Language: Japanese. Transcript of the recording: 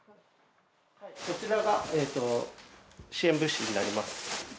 こちらが支援物資になります。